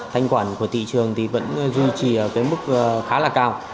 thanh quản của thị trường vẫn duy trì ở mức khá là cao